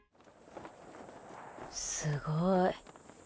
すごい。